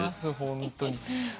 本当に。